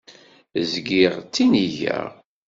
Zgiɣ ttinigeɣ.